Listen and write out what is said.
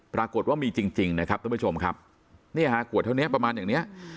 ปรากฏว่ามีจริงจริงนะครับท่านผู้ชมครับเนี่ยฮะขวดเท่านี้ประมาณอย่างเนี้ย